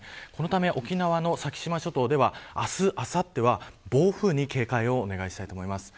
このため沖縄の先島諸島では明日、あさっては暴風に警戒をお願いします。